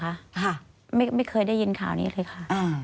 ค่ะไม่เคยได้ยินข่าวนี้เลยค่ะ